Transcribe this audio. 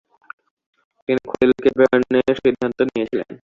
তিনি খলিলকে প্রেরণের সিদ্ধান্ত নিয়েছিলেন।